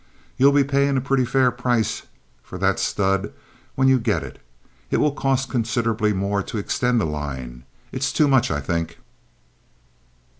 "You'll be paying a pretty fair price for that stud when you get it. It will cost considerable more to extend the line. It's too much, I think."